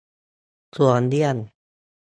ควรเลี่ยง